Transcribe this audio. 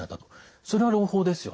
それは朗報ですよね。